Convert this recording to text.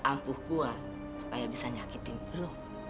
dia ampuh gua supaya bisa nyakitin lu